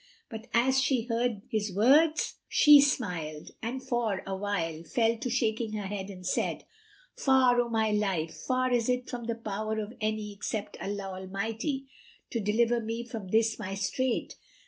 But as she heard his words she smiled and for awhile fell to shaking her head and said, "Far, O my life, far is it from the power of any except Allah Almighty to deliver me from this my strait!